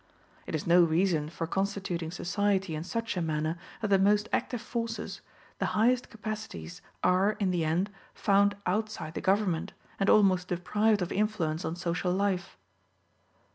It is no reason for constituting society in such a manner that the most active forces, the highest capacities are, in the end, found outside the government, and almost deprived of influence on social life.